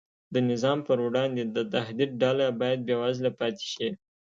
د نظام پر وړاندې د تهدید ډله باید بېوزله پاتې شي.